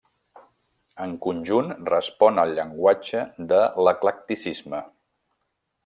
En conjunt respon al llenguatge de l'eclecticisme.